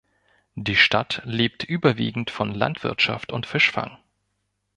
Die Stadt lebt überwiegend von Landwirtschaft und Fischfang.